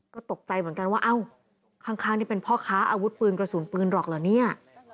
ก็ตกใจเหมือนกันว่าเอ้าข้างนี่เป็นพ่อค้าอาวุธปืนกระสุนปืนหรอกเหรอเนี่ย